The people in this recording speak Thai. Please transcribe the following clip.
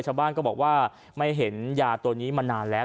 ชาวบ้านก็บอกว่าไม่เห็นยาตัวนี้มานานแล้ว